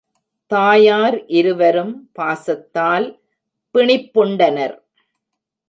தாயர் இருவரும் பாசத்தால் பிணிப் புண்டனர்.